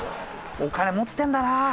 お金持ってるんだなあ。